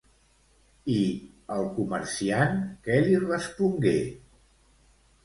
I el comerciant què li respongué?